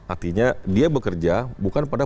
artinya dia bekerja bukan pada